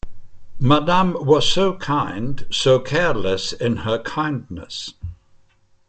Madame was so kind, so careless in her kindness.